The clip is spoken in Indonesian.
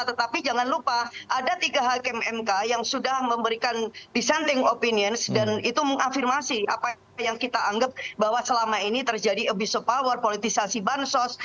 tetapi jangan lupa ada tiga hakim mk yang sudah memberikan dissenting opinions dan itu mengafirmasi apa yang kita anggap bahwa selama ini terjadi abuse of power politisasi bansos